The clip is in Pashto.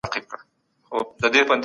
که یو ځل اعتبار خراب شي بیا نه جوړېږي.